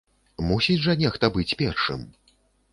Мусіць жа нехта быць першым.